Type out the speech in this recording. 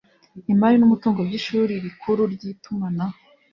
imari n umutungo by Ishuri Rikuru ry Itumanaho